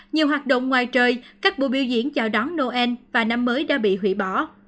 nhiều hoạt động ngoài trời các buổi biểu diễn chào đón noel và năm mới đã bị hủy bỏ